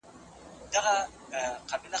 ډېر کار د خوښۍ احساس کموي.